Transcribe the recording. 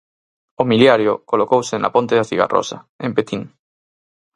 O miliario colocouse na ponte da Cigarrosa, en Petín.